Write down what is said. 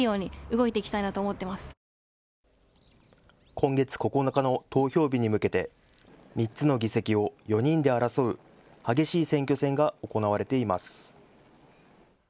今月９日の投票日に向けて３つの議席を４人で争う激しい選挙戦が行われています。